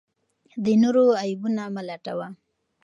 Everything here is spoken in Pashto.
د نورو عیبونه مه لټوه.